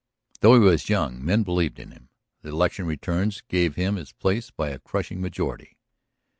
Though he was young, men believed in him. The election returns gave him his place by a crushing majority.